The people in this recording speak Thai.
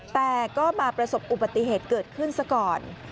แต่ก็มาประสบอุบัติเหตุเกิดขึ้นซะก่อน